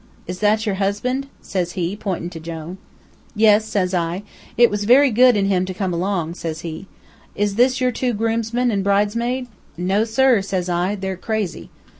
'Is that your husband?' says he, pointin' to Jone. 'Yes,' says I. 'It was very good in him to come along,' says he. 'Is these two your groomsman and bridesmaid?' 'No sir,' says I. 'They're crazy.'